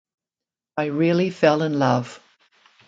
I really fell in love.